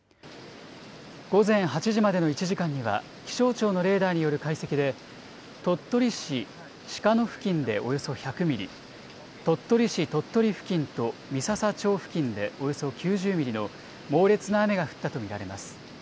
午前８時までの１時間には、気象庁のレーダーによる解析で、鳥取市鹿野付近でおよそ１００ミリ、鳥取市鳥取付近と三朝町付近でおよそ９０ミリの猛烈な雨が降ったと見られます。